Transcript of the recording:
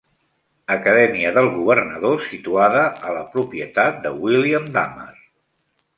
Acadèmia del governador situada a la propietat de William Dummer.